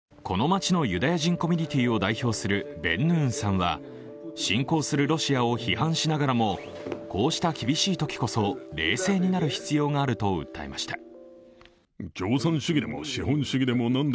この町のユダヤ人コミュニティーを代表するベンヌーンさんは侵攻するロシアを批判しながらも、こうした厳しい時こそ冷静になる必要があると訴えました。